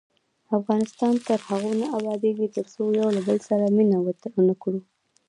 افغانستان تر هغو نه ابادیږي، ترڅو له یو بل سره مینه ونه کړو.